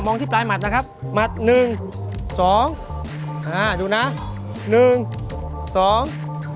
ที่ปลายหมัดนะครับหมัดหนึ่งสองอ่าดูนะหนึ่งสอง